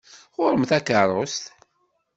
Ɣur-m takeṛṛust!